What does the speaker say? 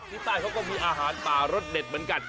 ที่ใต้เขาก็มีอาหารป่ารสเด็ดเหมือนกัน